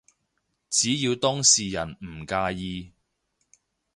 只要當事人唔介意